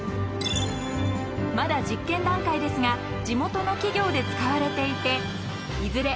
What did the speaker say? ［まだ実験段階ですが地元の企業で使われていていずれ